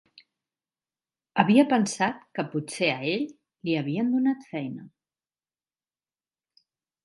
Havia pensat que potser a ell li havien donat feina.